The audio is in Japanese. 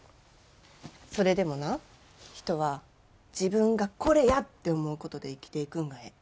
それでもな人は自分が「これや！」って思うことで生きていくんがええ。